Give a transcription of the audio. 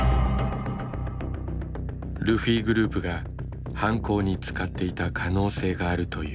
ルフィグループが犯行に使っていた可能性があるというこのリスト。